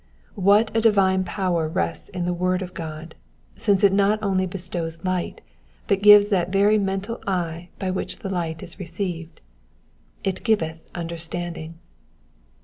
What a divine power rests in the word of God, since it not only bestows light, but gives that very mental eye by which the light is received— It giveth understanding."